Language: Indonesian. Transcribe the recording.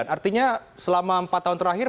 artinya selama empat tahun terakhir